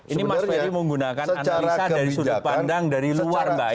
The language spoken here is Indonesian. ini mas ferry menggunakan analisa dari sudut pandang dari luar mbak